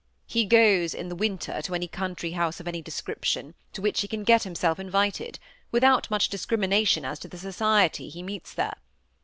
He goes ia the winter to any country house of any description to which he can get himself invited, without much dis crimination as to the society he meets there.